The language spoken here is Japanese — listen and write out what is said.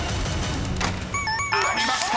［ありました！